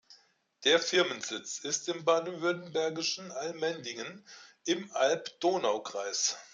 Der Firmensitz ist im baden-württembergischen Allmendingen im Alb-Donau-Kreis.